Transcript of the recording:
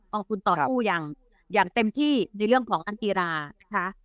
กองทุนต่อสู้อย่างอย่างเต็มที่ในเรื่องของการกีฬานะคะ